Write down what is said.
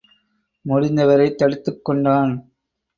முடிந்தவரை தடுத்துக் கொண்டான்.